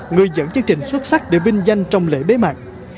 người dẫn chương trình xuất sắc để vinh danh trong lễ bế mạc